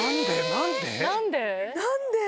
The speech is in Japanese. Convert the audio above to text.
何で？